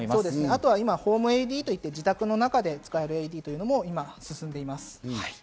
あとは今ホームＡＥＤと言って、自宅の中で使えるものも進んでいます。